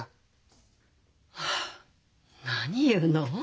はあ何言うの？